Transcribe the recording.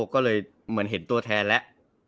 ก็เลยเหมือนเห็นตัวแทนแล้ว